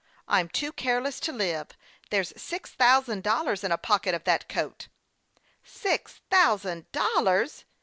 " I'm too careless to live ! There's six thousand dollars in a pocket of that coat." " Six thousand dollars